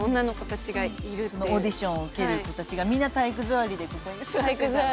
オーディションを受ける子たちがみんな体育座りでここに座ってたのね。